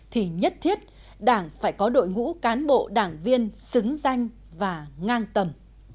thì nhất thiết đảng phải có đội ngũ cán bộ đảng viên xứng danh và ngang tầm